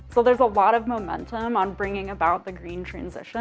jadi ada banyak momentum untuk membawa kembangan hijau